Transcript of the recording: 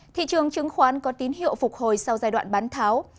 thị trường chứng khoán có tín hiệu phục hồi sau giai đoạn bán tháo